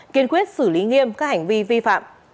kiên quyết xử lý nghiêm các hành vi vi phạm